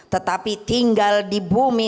tetapi tinggal di bumi